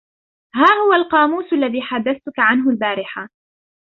هذا هو القاموس الذي حدثتك عنه البارحة.